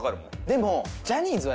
でも。